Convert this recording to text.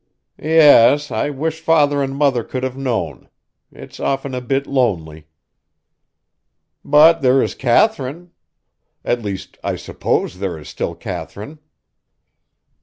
"Yes: I wish father and mother could have known. It's often a bit lonely." "But there is Katharine. At least, I suppose, there is still Katharine?"